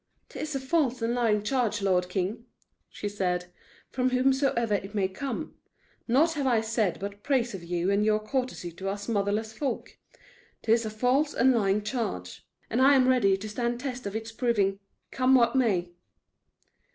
"'T is a false and lying charge, lord king," she said, "from whomsoever it may come. Naught have I said but praise of you and your courtesy to us motherless folk. 'T is a false and lying charge; and I am ready to stand test of its proving, come what may."